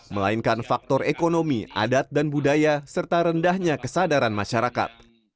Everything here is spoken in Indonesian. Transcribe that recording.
melainkan faktor ekonomi adat dan budaya serta rendahnya kesadaran masyarakat